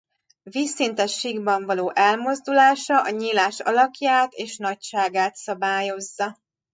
Vízszintes síkban való elmozdulása a nyílás alakját és nagyságát szabályozza.